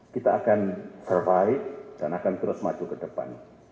kita akan survive dan akan terus maju ke depan